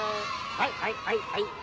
はいはいはいはい！